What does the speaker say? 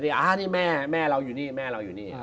นี่เนี่ยอ่านี่แม่เราอยู่นี่ครับ